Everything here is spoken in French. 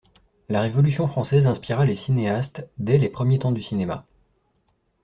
La Révolution française inspira les cinéaste dès les premiers temps du cinéma.